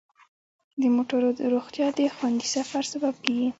د موټرو روغتیا د خوندي سفر سبب کیږي.